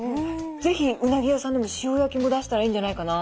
ぜひうなぎ屋さんでも塩焼きも出したらいいんじゃないかな。